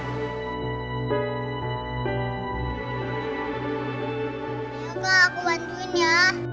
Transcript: yuk kak aku bantuin ya